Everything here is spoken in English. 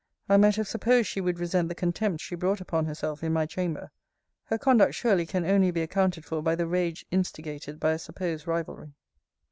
I might have supposed she would resent the contempt she brought upon herself in my chamber. Her conduct surely can only be accounted for by the rage instigate by a supposed rivalry.